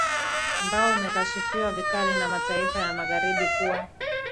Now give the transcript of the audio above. mbao umekashifiwa vikali na mataifa ya magharibi kuwa